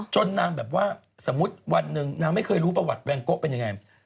นางแบบว่าสมมุติวันหนึ่งนางไม่เคยรู้ประวัติแวงโกะเป็นยังไง